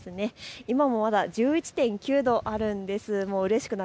今もまだ１１．９度あるんです。